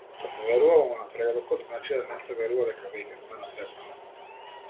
Да се верува во напредокот значи да не се верува дека веќе сме напреднале.